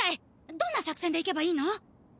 どんな作せんでいけばいいの？